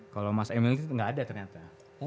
kalau mas emil itu nggak ada ternyata